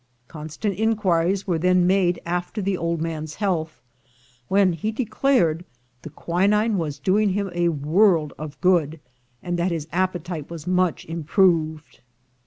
Constant inquiries were then made after the old man's health, when he declared the quinine was doing him a world of good, and that his appetite was much improved.